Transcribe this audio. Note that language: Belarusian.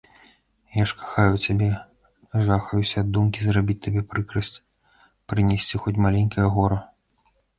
Я ж кахаю цябе, жахаюся ад думкі зрабіць табе прыкрасць, прынесці хоць маленькае гора.